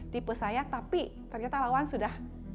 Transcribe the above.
tipe saya tapi ternyata lawan sudah